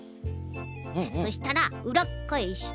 そしたらうらっかえして。